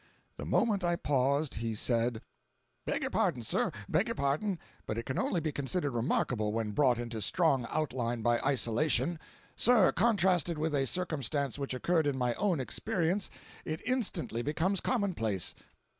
The moment I paused, he said: "Beg your pardon, sir, beg your pardon, but it can only be considered remarkable when brought into strong outline by isolation. Sir, contrasted with a circumstance which occurred in my own experience, it instantly becomes commonplace.